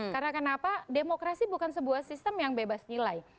karena kenapa demokrasi bukan sebuah sistem yang bebas nilai